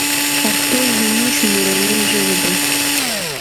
پښتو زموږ مورنۍ ژبه ده.